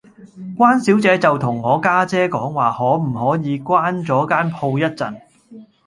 關小姐就同我家姐講話可唔可以關左間鋪一陣